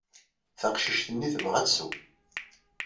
Taqcict-nni tebɣa ad tsew.